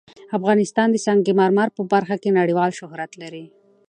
افغانستان د سنگ مرمر په برخه کې نړیوال شهرت لري.